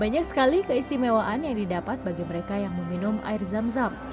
banyak sekali keistimewaan yang didapat bagi mereka yang meminum air zam zam